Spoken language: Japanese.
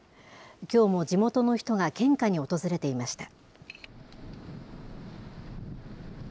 きょうも地元の人が献花に訪れていました。